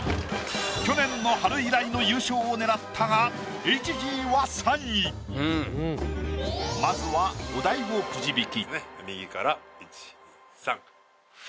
去年の春以来の優勝を狙ったがまずは右から１２３４。